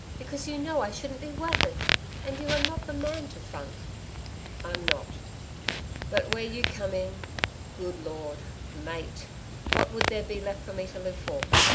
Because you know I shouldn't be worth it and you are not the man to funk.' 'I'm not. But where YOU come in Good Lord! Mate! What would there be left for me to live for?'